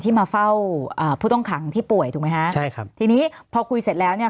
มาเฝ้าอ่าผู้ต้องขังที่ป่วยถูกไหมฮะใช่ครับทีนี้พอคุยเสร็จแล้วเนี่ย